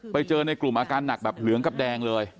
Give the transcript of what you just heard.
ไปเจอในกลุ่มอาการหนักแบบเหลืองกับแดงเลย